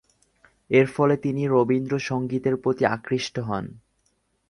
এরফলে তিনি রবীন্দ্রসঙ্গীতের প্রতি আকৃষ্ট হন।